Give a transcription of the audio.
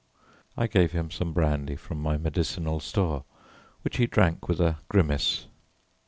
I gave him some brandy from my medicinal store, which he drank with a grimace.